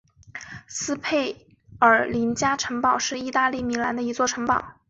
斯佩尔林加城堡是意大利米兰的一座城堡。